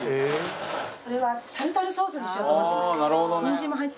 それはタルタルソースにしようと思ってます。